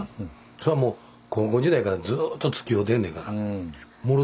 そらもう高校時代からずっとつきおうてんねんから。